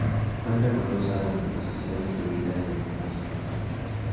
Cuenta con dos salas de exposición distribuidas en una sola planta.